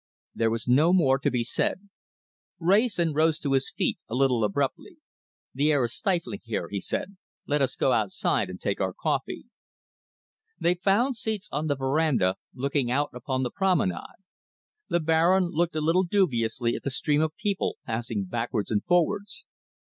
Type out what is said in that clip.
There was no more to be said. Wrayson rose to his feet a little abruptly. "The air is stifling here," he said. "Let us go outside and take our coffee." They found seats on the veranda, looking out upon the promenade. The Baron looked a little dubiously at the stream of people passing backwards and forwards.